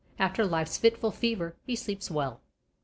"After life's fitful fever, he sleeps well."